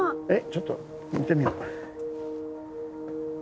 ちょっと行ってみよう。